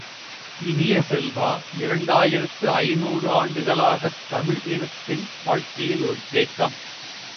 இனிய செல்வ, இரண்டாயிரத்து ஐந்நூறு ஆண்டுகளாகத் தமிழ் இனத்தின் வாழ்க்கையில் ஒரு தேக்கம்.